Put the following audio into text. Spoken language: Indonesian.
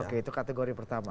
oke itu kategori pertama